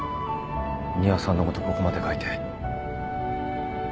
仁和さんのことここまで書いて。